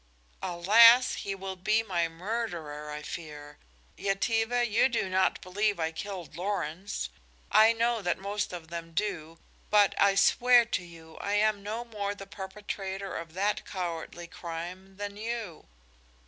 "Alas! He will be my murderer, I fear. Yetive, you do not believe I killed Lorenz. I know that most of them do, but, I swear to you, I am no more the perpetrator of that cowardly crime than you.